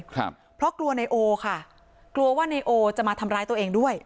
ครับเพราะกลัวนายโอค่ะกลัวว่านายโอจะมาทำร้ายตัวเองด้วย